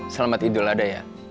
selamat idul ada ya